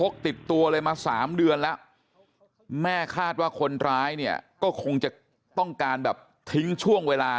คิดว่าคนร้ายเนี่ยก็คงจะต้องการแบบทิ้งช่วงเวลา